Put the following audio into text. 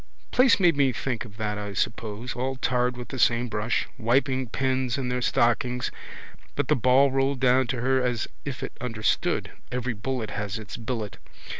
Place made me think of that I suppose. All tarred with the same brush. Wiping pens in their stockings. But the ball rolled down to her as if it understood. Every bullet has its billet.